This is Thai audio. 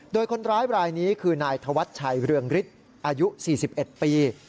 โดยคนร้ายรายนี้คือนายธวัชชัยเรืองฤทธิ์อายุ๔๑ปี